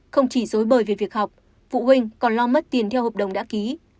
không chỉ dối bời về việc học phụ huynh còn lo mất tiền theo hợp đồng đã ký